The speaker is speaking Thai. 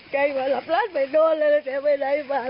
แก่กระดับลักษณ์ไปด้วยแล้วจะไปไหนมารัก